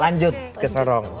lanjut ke sorong